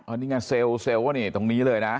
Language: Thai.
อันนี้ไงเซลล์ว่านี่ตรงนี้เลยนะ